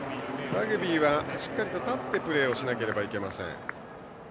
ラグビーはしっかり立ってプレーしなければいけません。